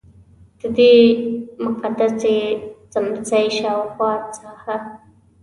ددې مقدسې څمڅې شاوخوا ساحه.